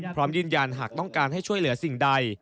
พร้อมยืนยันหากต้องการให้ช่วยเหลือสิ่งใด